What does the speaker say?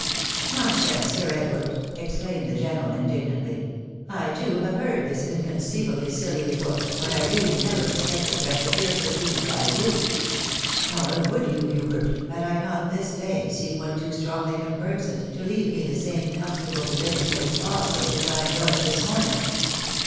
" Nonsense, Sir Edward !" exclaimed the general, indig nantly ;" I too have heard this inconceivably silly report, but I really never expected that I should hear it repeated by you." " Nor would you, Hubert, had I not this day seen what too strongly confirms it, to leave me the same comfortable convic tion of its falsehood which I enjoyed this morning.